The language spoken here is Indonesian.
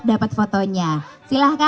dapat fotonya silahkan